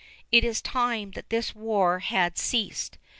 It is time that this war had ceased.